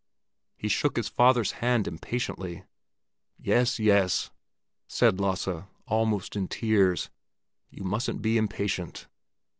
He shook his father's hand impatiently. "Yes, yes," said Lasse, almost in tears. "You mustn't be impatient."